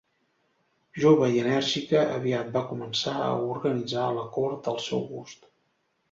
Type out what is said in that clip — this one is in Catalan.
Jove i enèrgica, aviat va començar a organitzar la cort al seu gust.